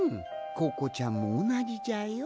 ココちゃんもおなじじゃよ。